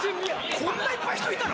こんないっぱい人いたの？